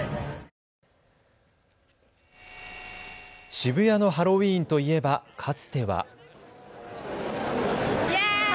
渋谷のハロウィーンといえばかつては。